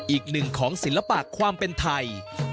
อีกหนึ่งของศิลปะความเป็นไทย